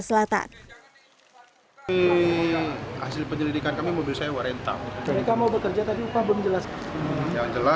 selatan hasil penyelidikan kami mobil saya warian tahu mereka mau bekerja tapi upah belum jelas yang